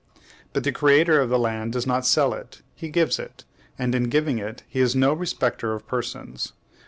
But the creator of the land does not sell it: he gives it; and, in giving it, he is no respecter of persons.